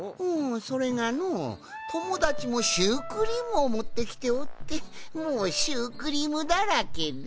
それがのともだちもシュークリームをもってきておってもうシュークリームだらけで。